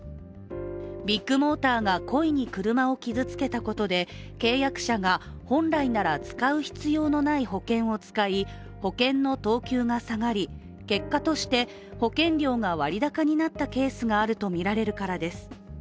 ビッグモーターが故意に車を傷つけたことで契約者が本来なら使う必要のない保険を使い保険の等級が下がり、結果として保険料が割高になったケースがあるとみられるからです。